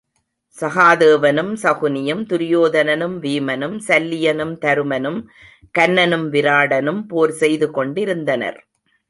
சகாதேவனும் சகுனியும், துரியோதனனும் வீமனும், சல்லியனும் தருமனும், கன்னனும் விராடனும் போர் செய்து கொண்டிருந்தனர்.